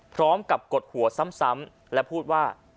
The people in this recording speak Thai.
พร้อมกับกดหัวซ้ำแล้วพูดว่า